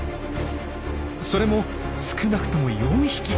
それも少なくとも４匹！